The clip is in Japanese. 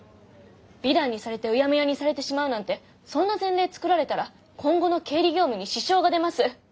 美談にされてうやむやにされてしまうなんてそんな前例作られたら今後の経理業務に支障が出ます。